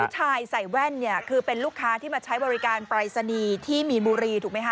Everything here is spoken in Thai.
ใส่แว่นเนี่ยคือเป็นลูกค้าที่มาใช้บริการปรายศนีย์ที่มีนบุรีถูกไหมคะ